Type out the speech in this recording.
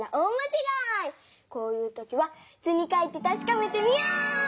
こういうときは図に書いてたしかめてみよう！